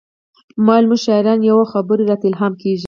ما وویل موږ شاعران یو او خبرې راته الهام کیږي